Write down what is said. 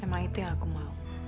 emang itu yang aku mau